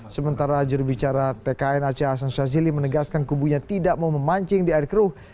sementara jurubicara tkn aceh hasan shazili menegaskan kubunya tidak mau memancing di air keruh